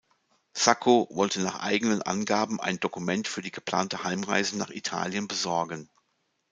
Sacco wollte nach eigenen Angaben ein Dokument für die geplante Heimreise nach Italien besorgen.